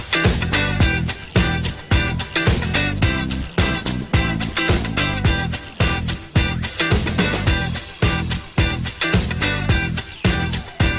วันนี้ขอบคุณพี่สำคัญมากครับ